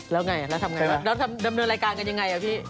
แล้วไงแล้วทำไงแล้วดำเนินรายการกันยังไงอ่ะพี่